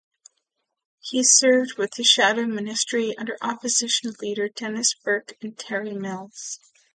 He served in the Shadow Ministry under Opposition Leaders Denis Burke and Terry Mills.